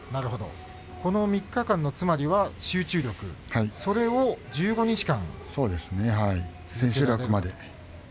この３日間もつまりは集中力、それを１５日間。